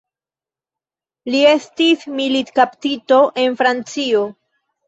Li estis militkaptito en Francio.